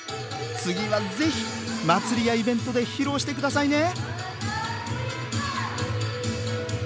次はぜひ祭りやイベントで披露して下さいね！